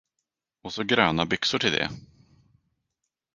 Och så gröna byxor till det.